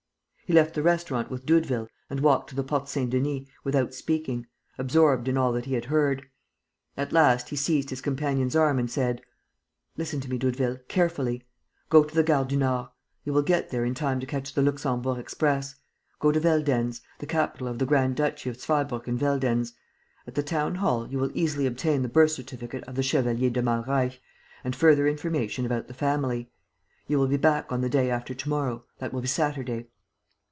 He left the restaurant with Doudeville and walked to the Porte Saint Denis without speaking, absorbed in all that he had heard. At last, he seized his companion's arm and said: "Listen to me, Doudeville, carefully. Go to the Gare du Nord. You will get there in time to catch the Luxemburg express. Go to Veldenz, the capital of the grand duchy of Zweibrucken Veldenz. At the town hall, you will easily obtain the birth certificate of the Chevalier de Malreich and further information about the family. You will be back on the day after to morrow: that will be Saturday."